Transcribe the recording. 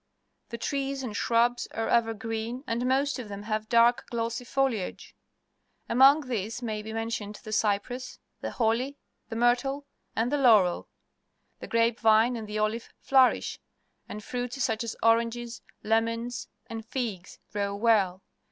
The trees and shrubs are evergreen, and most of them have dark, glossy foliage, .\mong these may be men tioned the cj'press, the holly, the myrtle, and the laurel. The grape vine and the olive flourish, and fruits such as oranges, lemons, and figs grow well.